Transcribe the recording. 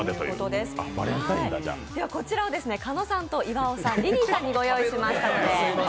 こちら狩野さんと岩尾さん、リリーさんにご用意しましたので。